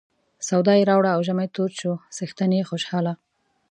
سودا یې راوړه او ژمی تود شو څښتن یې خوشاله.